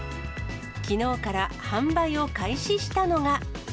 きのうから販売を開始したのが。